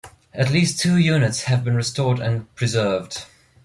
At least two units have been restored and preserved.